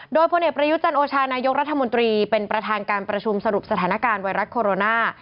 โดยพลเอกประยุจันโอชานายกรัฐมนตรีเป็นประธานการประชุมสรุปสถานการณ์ไวรัสโคโรนา